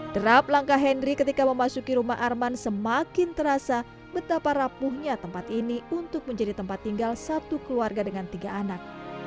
terap langkah henry ketika memasuki rumah arman semakin terasa betapa rapuhnya tempat ini untuk menjadi tempat tinggal satu keluarga dengan tiga anak